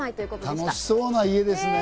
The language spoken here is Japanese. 楽しそうな家ですね。